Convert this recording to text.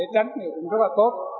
tránh thì cũng rất là tốt